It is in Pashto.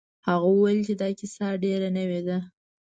هغه وویل چې دا کیسه ډیره نوې ده.